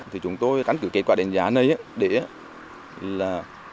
thì chúng tôi đánh cử kết quả đánh giá này để là